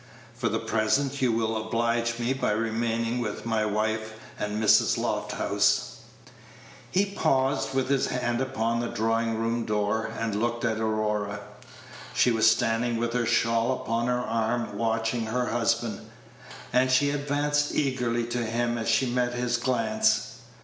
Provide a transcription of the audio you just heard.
For the present, you will oblige me by remaining with my wife and Mrs. Lofthouse." He paused, with his hand upon the drawing room door, and looked at Aurora. She was standing with her shawl upon her arm, watching her husband; and she advanced eagerly to him as she met his glance.